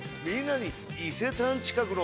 みんなに。